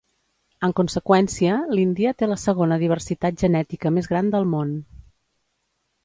En conseqüència, l'Índia té la segona diversitat genètica més gran del món.